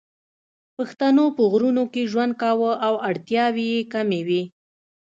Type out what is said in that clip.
پښتنو په غرونو کې ژوند کاوه او اړتیاوې یې کمې وې